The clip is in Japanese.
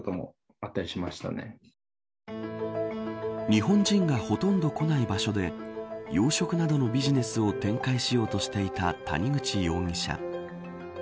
日本人がほとんど来ない場所で養殖などのビジネスを展開しようとしていた谷口容疑者。